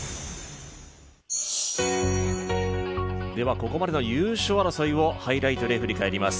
ここまでの優勝争いをハイライトで振り返ります。